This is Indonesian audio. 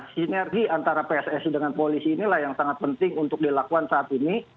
sinergi antara pssi dengan polisi inilah yang sangat penting untuk dilakukan saat ini